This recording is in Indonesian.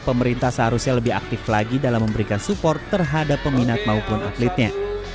pemerintah seharusnya lebih aktif lagi dalam memberikan support terhadap peminat maupun atletnya